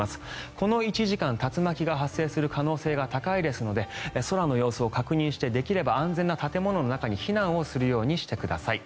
この１時間、竜巻が発生する可能性が高いですので空の様子を確認してできれば屋内に避難するようにしてください。